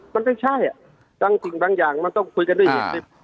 มันไม่ใช่อ่ะบางสิ่งบางอย่างมันต้องคุยกันด้วยเหตุ